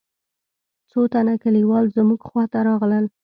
څو تنه كليوال زموږ خوا ته راغلل.